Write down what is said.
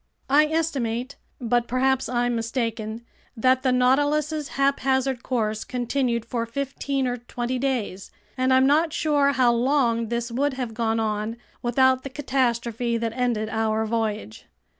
I estimate—but perhaps I'm mistaken—that the Nautilus's haphazard course continued for fifteen or twenty days, and I'm not sure how long this would have gone on without the catastrophe that ended our voyage.